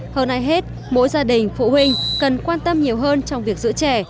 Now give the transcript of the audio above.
hơn ai hết mỗi gia đình phụ huynh cần quan tâm nhiều hơn trong việc giữ trẻ